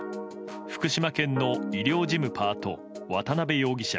福島県の医療事務パート渡邉容疑者。